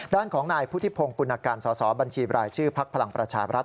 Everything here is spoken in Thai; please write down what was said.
ด้านของนายพุทธิพงศ์ปุณการสสบัญชีบรายชื่อพักพลังประชาบรัฐ